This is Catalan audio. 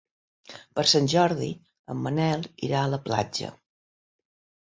Per Sant Jordi en Manel irà a la platja.